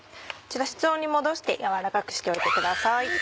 こちら室温に戻してやわらかくしておいてください。